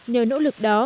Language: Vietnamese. nhờ nỗ lực đó